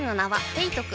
ペイトク